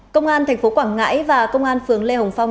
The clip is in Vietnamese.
công an tp quảng ngãi và công an phường lê hồng phong